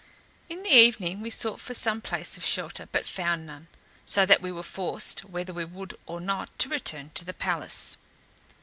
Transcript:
In the evening we sought for some place of shelter, but found none; so that we were forced, whether we would or not, to return to the palace.